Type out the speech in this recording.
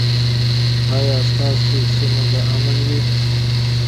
ایا ستاسو سیمه به امن وي؟